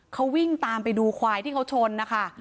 เขาวิ่งตามไปดูควายที่เขาชนนะคะ